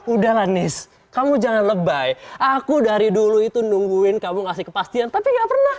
udahlah nis kamu jangan lebay aku dari dulu itu nungguin kamu kasih kepastian tapi enggak pernah